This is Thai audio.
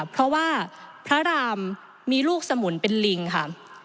เพราะว่าพระรามมีลูกสมุนเป็นลิงค่ะ